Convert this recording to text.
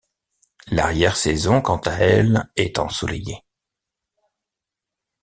L'arrière saison quant à elle est ensoleillée.